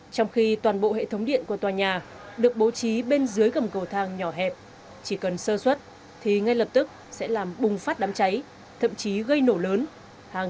trong khi toàn bộ hệ thống điện của tòa nhà được bố trí bên dưới gầm cầu thang nhỏ hẹp chỉ cần sơ xuất thì ngay lập tức sẽ làm bùng phát đám cháy thậm chí gây nổ lớn